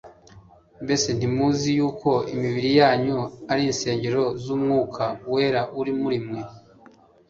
mbese ntimuzi yuko imibiri yanyu ari insengero z'umwuka wera uri muri mwe